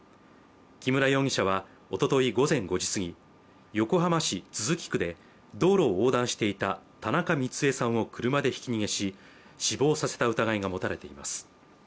木村容疑者はおととい午前５時すぎ横浜市都筑区で道路を横断していた田中ミツエさんを車でひき逃げし死亡させた疑いが持たれています。